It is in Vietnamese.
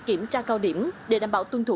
kiểm tra cao điểm để đảm bảo tuân thủ